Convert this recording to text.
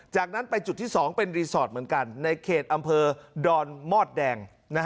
จากนั้นไปจุดที่๒เป็นรีสอร์ทเหมือนกันในเขตอำเภอดอนมอดแดง